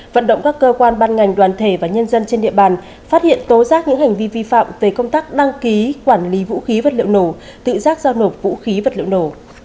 vận động các cơ quan ban ngành đoàn thể và nhân dân trên địa bàn phát hiện tố giác những hành vi vi phạm về công tác đăng ký quản lý vũ khí vật liệu nổ tự giác giao nộp vũ khí vật liệu nổ